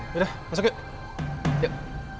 yaudah masuk yuk